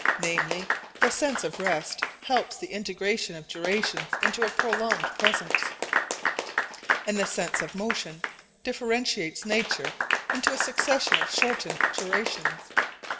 Namely, the sense of rest helps the integration of durations into a prolonged present, and the sense of motion differentiates nature into a succession of shortened durations.